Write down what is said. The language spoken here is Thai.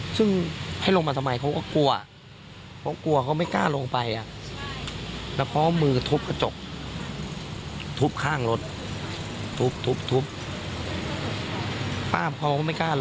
ซึ่งให้ลงมาทำไมเขาก็กลัว